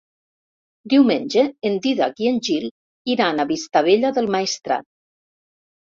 Diumenge en Dídac i en Gil iran a Vistabella del Maestrat.